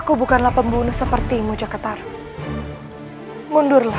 teruslah berjuang saudara saudara go